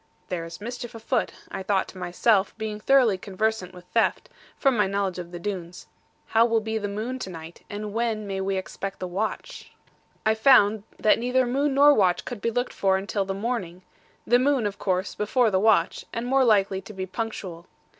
'There is mischief afoot,' thought I to myself, being thoroughly conversant with theft, from my knowledge of the Doones; 'how will be the moon to night, and when may we expect the watch?' I found that neither moon nor watch could be looked for until the morning; the moon, of course, before the watch, and more likely to be punctual.